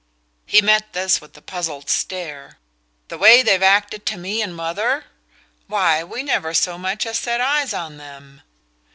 He met this with a puzzled stare. "The way they've acted to me and mother? Why, we never so much as set eyes on them."